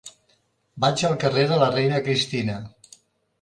Vaig al carrer de la Reina Cristina.